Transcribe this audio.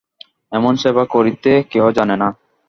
এমন সেবা করিতে কেহ জানে না।